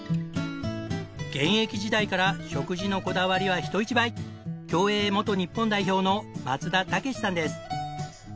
現役時代から食事のこだわりは人一倍競泳元日本代表の松田丈志さんです。